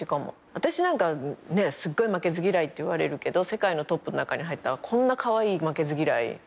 私なんかすっごい負けず嫌いっていわれるけど世界のトップん中に入ったらこんなカワイイ負けず嫌い。